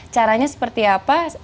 caranya seperti apa